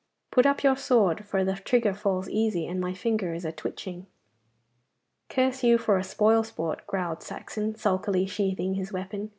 Put up your sword, for the trigger falls easy, and my finger is a twitching.' 'Curse you for a spoil sport!' growled Saxon, sulkily sheathing his weapon.